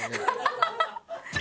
ハハハハ！